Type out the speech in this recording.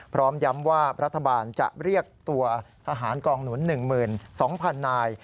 พร้อมย้ำว่ารัฐบาลจะเรียกตัวทหารกองหนุน๑๒๐๐๐นาย